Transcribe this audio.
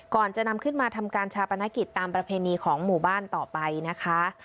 ก่อนจะนำขึ้นมาทำการชาปนกิจตามประเพณีของหมู่บ้านต่อไปนะคะ